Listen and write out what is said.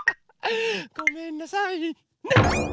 ごめんなさいね！